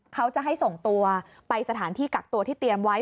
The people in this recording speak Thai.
เขาจะให้ส่งตัวไปสถานที่กักตัวที่เตรียมไว้